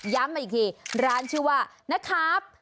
มาอีกทีร้านชื่อว่านะครับ